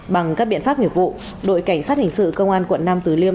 bằng các biện pháp nghiệp vụ đội cảnh sát hình sự công an quận nam từ liêm